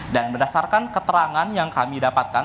dan berdasarkan keterangan yang kami dapatkan